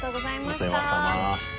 お世話さま。